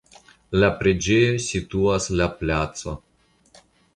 La preĝejo situas la placo.